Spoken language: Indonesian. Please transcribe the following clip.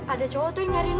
ada cowok tuh yang nyariin